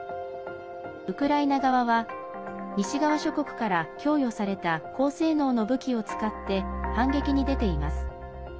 ウクライナ側は西側諸国から供与された高性能の武器を使って反撃に出ています。